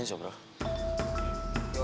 gak ada ya